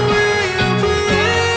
aku mau ngeliatin apaan